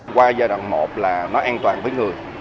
qua giai đoạn một là nó an toàn